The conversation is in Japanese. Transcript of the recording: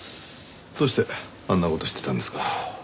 どうしてあんな事してたんですか？